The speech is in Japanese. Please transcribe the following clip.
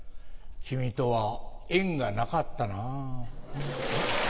君とはエンがなかったなぁ。